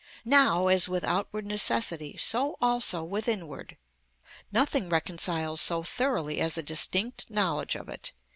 Now as with outward necessity, so also with inward; nothing reconciles so thoroughly as a distinct knowledge of it.